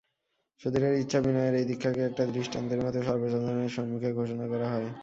সুধীরের ইচ্ছা, বিনয়ের এই দীক্ষাকে একটা দৃষ্টান্তের মতো সর্বসাধারণের সম্মুখে ঘোষণা করা হয়।